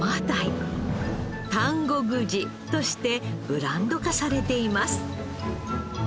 丹後ぐじとしてブランド化されています